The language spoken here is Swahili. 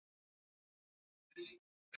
Siku moja nitashinda.